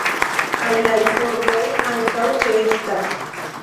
Aliaj formoj ankaŭ ĉeestas.